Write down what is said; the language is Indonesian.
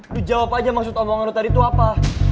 lo jawab aja maksud omongan lo tadi itu apa